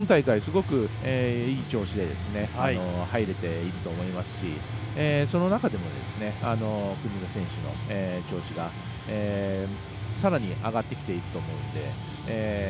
今大会、すごくいい調子で入れていると思いますしその中でも、国枝選手の調子がさらに上がってきていると思うので。